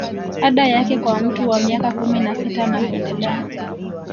Ada yake kwa mtu wa miaka kumi na sita na kuendelea